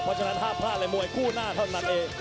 เพราะฉะนั้นห้ามพลาดเลยมวยคู่หน้าเท่านั้นเอง